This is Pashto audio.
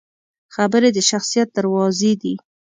خبرې د شخصیت دروازې دي